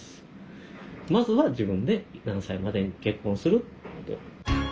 まずは自分で何歳までに結婚するって。